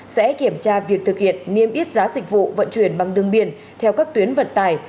sẽ kiểm tra việc thực hiện niêm yết giá dịch vụ vận chuyển bằng đường biển theo các tuyến vận tải